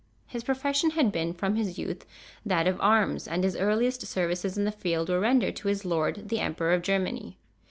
His profession had been from his youth that of arms, and his earliest services in the field were rendered to his lord, the Emperor of Germany.